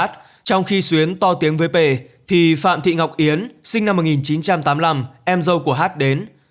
trong khi xuyến to tiếng với pề thì phạm thị ngọc yến sinh năm một nghìn chín trăm tám mươi năm em dâu của hát đến